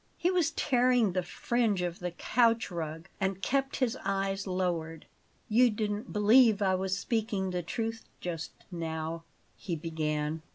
He was tearing the fringe of the couch rug, and kept his eyes lowered. "You didn't believe I was speaking the truth just now," he began.